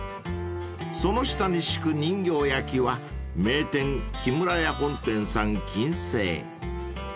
［その下に敷く人形焼きは名店木村屋本店さん謹製］